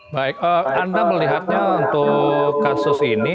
baik anda melihatnya untuk kasus ini